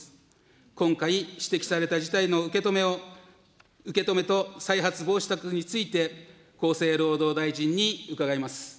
今回指摘された事態の受け止めと再発防止策について、厚生労働大臣に伺います。